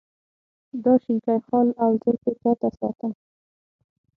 دا شینکی خال او زلفې تا ته ساتم.